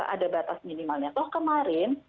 ada batas minimalnya toh kemarin